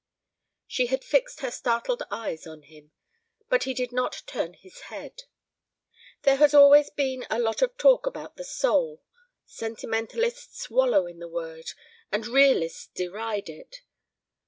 She had fixed her startled eyes on him, but he did not turn his head. "There has always been a lot of talk about the soul. Sentimentalists wallow in the word, and realists deride it.